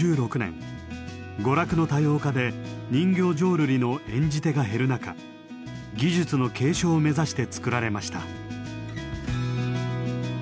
娯楽の多様化で人形浄瑠璃の演じ手が減る中技術の継承を目指して作られました。